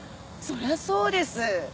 そりゃそうです！